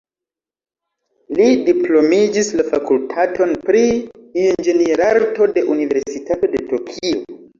Li diplomiĝis la fakultaton pri inĝenierarto de Universitato de Tokio.